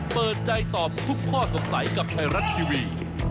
เปิดใจตอบทุกข้อสงสัยกับไทยรัฐทีวี